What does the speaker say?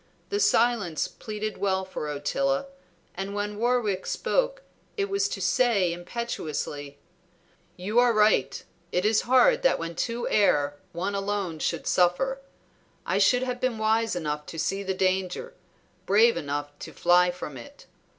The silence pleaded well for Ottila, and when Warwick spoke it was to say impetuously "You are right! It is hard that when two err one alone should suffer. I should have been wise enough to see the danger, brave enough to fly from it.